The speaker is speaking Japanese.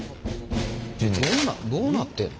どうなってんの？